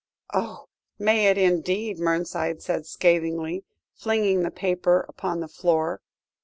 "Oh! may it indeed?" Mernside said scathingly, flinging the paper upon the floor.